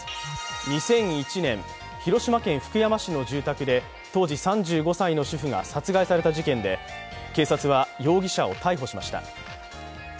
２００１年、広島県福山市の住宅で当時３５歳の主婦が殺害された事件で警察は、容疑者を逮捕しました。